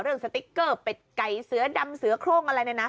ในเรื่องสติคเกอร์เป็ดไก่เสื้อดำเสื้อโครงอะไรแบบนี้นะ